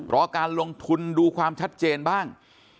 รอการลงทุนดูความชัดเจนบ้าง